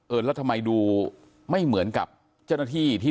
ทางรองศาสตร์อาจารย์ดรอคเตอร์อัตภสิตทานแก้วผู้ชายคนนี้นะครับ